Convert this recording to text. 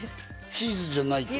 チーズじゃないんです。